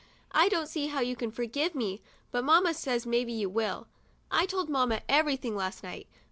I don't see how you can forgive me, but mamma says maybe you will. I told mamma everything last night.